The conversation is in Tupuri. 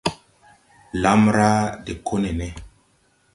Lamra de ko nene.